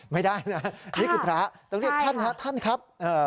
ไม่ได้นะนี่คือพระต้องเรียกท่านฮะท่านครับ